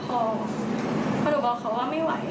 พอหนูบอกเขาว่าไม่ไหว